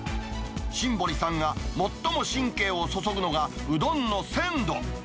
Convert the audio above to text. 新堀さんが最も神経を注ぐのがうどんの鮮度。